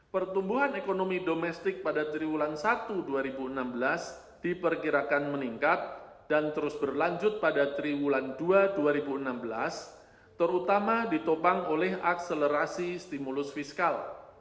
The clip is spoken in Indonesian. pertumbuhan ekonomi domestik pada triwulan satu dua ribu enam belas diperkirakan meningkat dan terus berlanjut pada triwulan dua dua ribu enam belas terutama ditopang oleh akselerasi stimulus fiskal